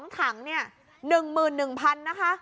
๒ถังเนี่ย๑๑๐๐๐นะคะ